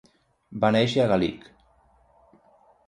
Va néixer a Galich.